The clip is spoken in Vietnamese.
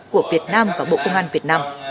của việt nam và bộ công an việt nam